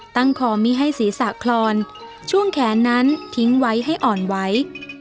คอมีให้ศีรษะคลอนช่วงแขนนั้นทิ้งไว้ให้อ่อนไหว